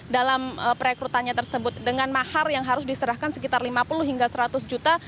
dalam perekrutannya tersebut dengan mahar yang harus diserahkan sekitar lima puluh hingga seratus juta